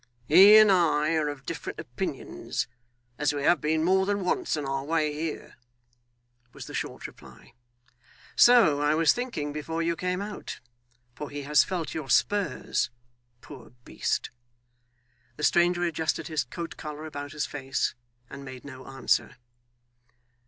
'He and I are of different opinions, as we have been more than once on our way here,' was the short reply. 'So I was thinking before you came out, for he has felt your spurs, poor beast.' The stranger adjusted his coat collar about his face, and made no answer.